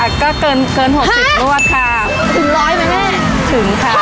ก็เกินเกินหกสิบรวดค่ะถึงร้อยไหมแม่ถึงค่ะ